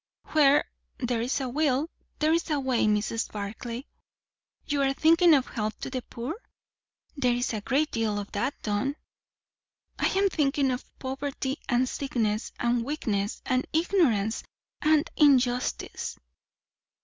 "Where there's a will, there's a way, Mrs. Barclay." "You are thinking of help to the poor? There is a great deal of that done." "I am thinking of poverty, and sickness, and weakness, and ignorance, and injustice.